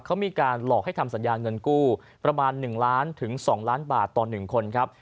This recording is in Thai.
เขามีการหลอกให้ทำสัญญาเงินกู้ประมาณ๑ล้านถึง๒ล้านบาทต่อ๑คนครับ